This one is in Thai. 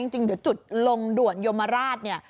จุดลงด่วนยมราชเนี่ย